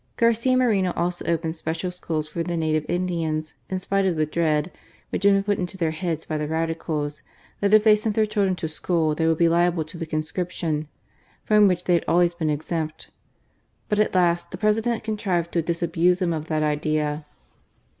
Garcia Moreno also opened special schools for the native Indians, in spite of the dread (which had been put into their heads by the Radicals), that if they sent their children to school they would be liable to the conscription, from which they had always been exempt. But at last, the President contrived to disabuse them of that idea.